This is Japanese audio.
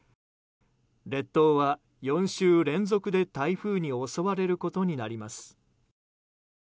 列島は４週連続で台風に襲われることになります。